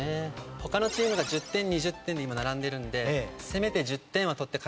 他のチームが１０点２０点で今並んでるんでせめて。